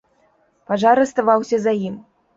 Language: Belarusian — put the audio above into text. Пажар аставаўся за ім.